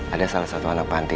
ada salah satu anak panti